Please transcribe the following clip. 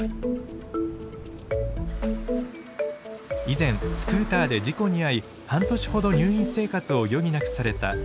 以前スクーターで事故に遭い半年ほど入院生活を余儀なくされた依田さん。